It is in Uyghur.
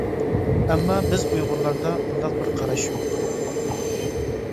ئەمما بىز ئۇيغۇرلاردا ئۇنداق بىر قاراش يوق.